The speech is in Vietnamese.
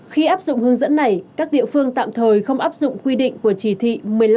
khi áp dụng hướng dẫn này các địa phương tạm thời không áp dụng quy định của chỉ thị một mươi năm một mươi sáu một mươi chín